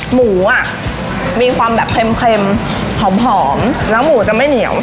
หมูอ่ะมีความแบบเค็มหอมแล้วหมูจะไม่เหนียว